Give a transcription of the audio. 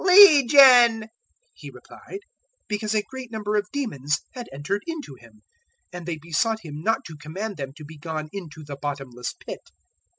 "Legion," he replied because a great number of demons had entered into him; 008:031 and they besought Him not to command them to be gone into the Bottomless Pit.